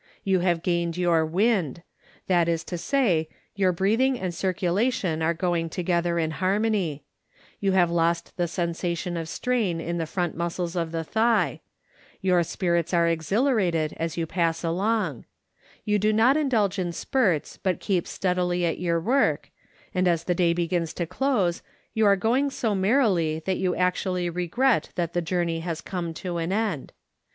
You have gained your " wind," that is to say, your breathing and circulation are going together in harmony; you have lost the sensation of strain in the front muscles of the thigh; your spirits are exhilarated as you pass along ; you do not indulge in spurts but keep steadily at your work, and as the day begins to close you are going so merrily that you actually regret that the journey has come to an end.